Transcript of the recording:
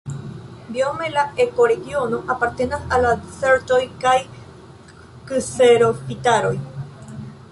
Biome la ekoregiono apartenas al la dezertoj kaj kserofitaroj.